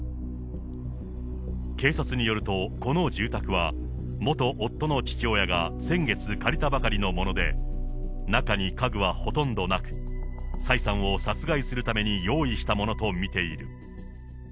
警察によると、この住宅は、元夫の父親が先月、借りたばかりのもので、中に家具はほとんどなく、蔡さんを殺害するために用意したものと見ている。